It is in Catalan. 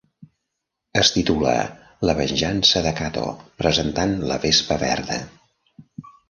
Es titula "La Venjança de Kato presentant la Vespa Verda".